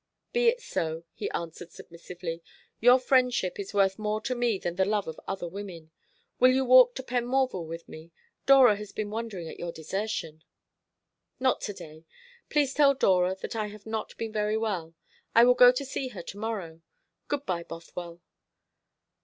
"Be it so," he answered submissively. "Your friendship is worth more to me than the love of other women. Will you walk to Penmorval with me? Dora has been wondering at your desertion." "Not to day. Please tell Dora that I have not been very well. I will go to see her to morrow. Good bye, Bothwell."